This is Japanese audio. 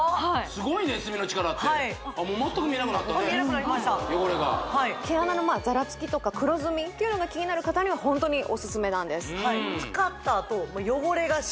すごいね炭の力って全く見えなくなったね見えなくなりました汚れが毛穴のざらつきとか黒ずみというのが気になる方にはホントにオススメなんです